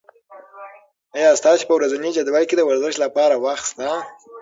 آیا ستاسو په ورځني جدول کې د ورزش لپاره وخت شته؟